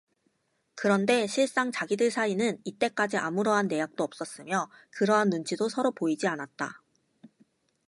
그런데 실상 자기들 사이는 이때까지 아무러한 내약도 없었으며 그러한 눈치도 서로 보이지 않았다.